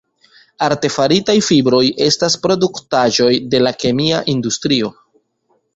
Artefaritaj fibroj estas produktaĵoj de la kemia industrio.